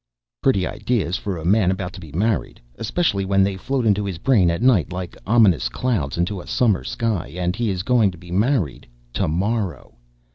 Pretty ideas these for a man about to be married, especially when they float into his brain at night like ominous clouds into a summer sky, and he is going to be married to morrow.